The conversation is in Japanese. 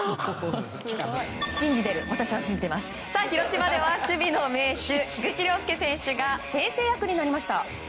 広島では守備の名手菊池涼介選手が先生役になりました。